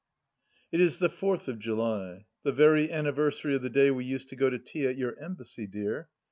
It is the Fourth of July — the very anniversary of the day we used to go to tea at your Embassy, dear.